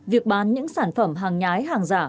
việc bán những sản phẩm hàng nhái hàng giả